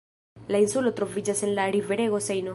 La insulo troviĝas en la riverego Sejno.